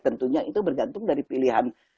tentunya itu bergantung dari pilihan